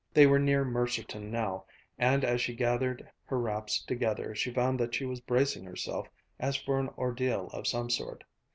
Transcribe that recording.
They were near Mercerton now, and as she gathered her wraps together she found that she was bracing herself as for an ordeal of some sort.